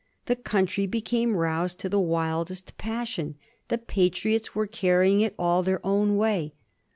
The country became roused to the wildest passion ; the Patriots were carry ing it all their own way.